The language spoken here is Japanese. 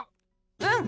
うん！